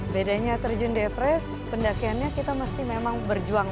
bedanya terjun di everest pendakiannya kita mesti memang berjuang